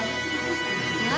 何？